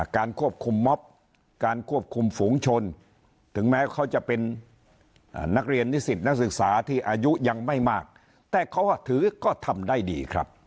การควบคุมม็อบการควบคุมฝูงชนถึงแม้เขาจะเป็นนักเรียนนิสิตนักศึกษาที่อายุยังไม่มากแต่เขาว่าถือก็ทำได้ดีครับ